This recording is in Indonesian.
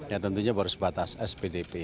ya tentunya baru sebatas spdp